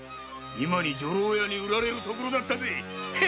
今に女郎屋に売られるところだったぜ。